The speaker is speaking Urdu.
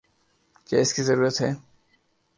کیا اس کی ضرورت ہے؟